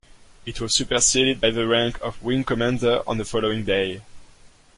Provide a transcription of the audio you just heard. It was superseded by the rank of wing commander on the following day.